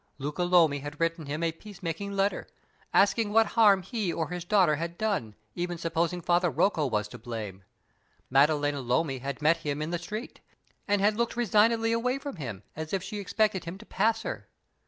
Luca Lomi had written him a peace making letter, asking what harm he or his daughter had done, even supposing Father Rocco was to blame. Maddalena Lomi had met him in the street, and had looked resignedly away from him, as if she expected him to pass her.